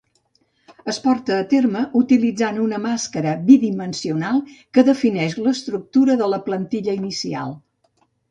Es porta a terme utilitzant una màscara bidimensional que defineix l'estructura de la plantilla inicial.